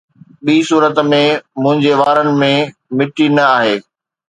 ٻي صورت ۾، منهنجي وارن ۾ مٽي نه آهي